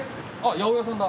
八百屋さんだ